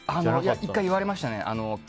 １回言われましたね。